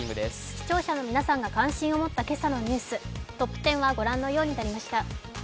視聴者の皆さんが関心を持った今朝のニューストップ１０はご覧のようになりました。